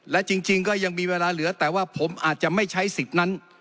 และจริงก็ยังมีเวลาเหลือแต่ว่าผมอาจจะไม่ใช้สิทธิ์นั้น